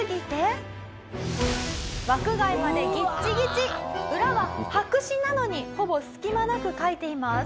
「枠外までギッチギチ」「裏は白紙なのにほぼ隙間なく書いています」